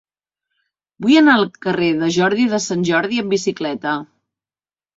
Vull anar al carrer de Jordi de Sant Jordi amb bicicleta.